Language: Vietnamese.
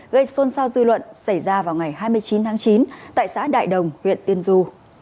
gây xôn xao dư luận xảy ra vào ngày hai mươi chín tháng chín tại xã đại đồng huyện tiên du